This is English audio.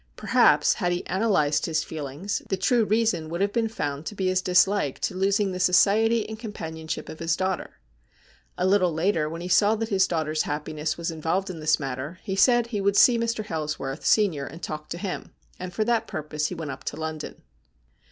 Perhaps, had he analysed his feelings, the true reason would have been found to be his dislike to losing the society and companionship of his daughter. A little later, when he saw that his daughter's happiness was involved in this matter, he said he would see Mr. Hailsworth, sen., and talk to him ; and for that purpose he went up to London.